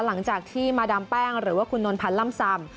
หลังจากที่มาดามแป้งหรือว่าคุณนนพันธ์ล่ำซำ